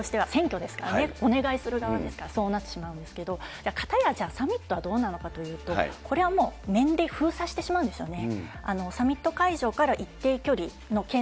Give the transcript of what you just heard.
政治家側としては、選挙ですからね、お願いする側ですから、そうなってしまうんですけど、かたやじゃあ、サミットはどうなのかというと、これは面で封鎖してしまうんでしょうね。